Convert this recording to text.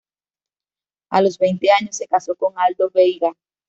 A los veinte años, se casó con Aldo Veiga.